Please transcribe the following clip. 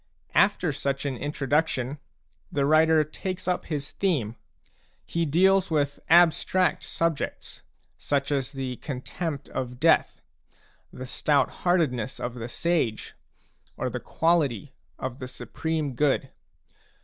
After such an introduction, the writer takes up his theme ; he deals with abstract subjects, such as the contempt of death, the stout heartedness of the sage, or the quality of the Supreme Good.